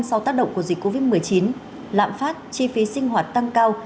sau tác động của dịch covid một mươi chín lạm phát chi phí sinh hoạt tăng cao